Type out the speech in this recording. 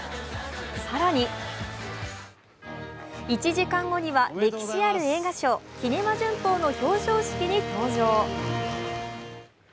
更に１時間後には歴史ある映画賞「キネマ旬報」の表彰式に登場。